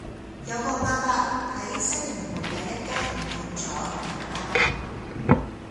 有個亞伯喺西營盤第一街唔見左個銀包